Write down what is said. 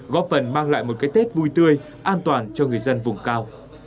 góp phần mang lại một cái tết vui tươi an toàn cho người dân vùng cao